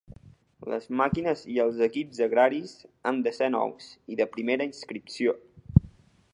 Les màquines i els equips agraris han de ser nous i de primera inscripció.